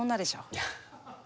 いや。